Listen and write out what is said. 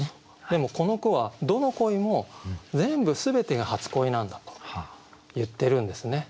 でもこの句はどの恋も全部全てが初恋なんだと言ってるんですね。